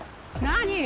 何？